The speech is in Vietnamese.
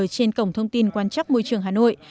trên cổng thông tin quan chắc môi trường hà nội